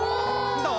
どう？